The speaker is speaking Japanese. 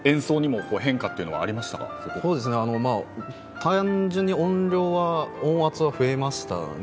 単純に音量は、音圧は増えましたね。